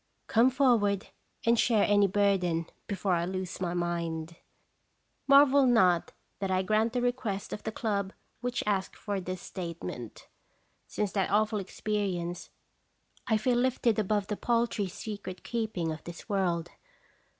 Come forward and share my burden before I lose my mind. Marvel not that I grant the request of the club which asked for this statement. Since that awful experience I feel lifted above the paltry secret keeping of this world.